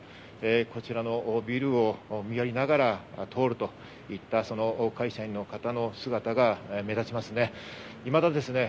こちらのビルを見上げながら通るという会社員の方の姿が目立ちますね。